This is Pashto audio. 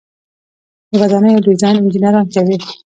د ودانیو ډیزاین انجنیران کوي